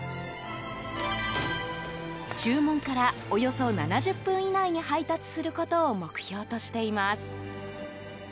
注文から、およそ７０分以内に配達することを目標としています。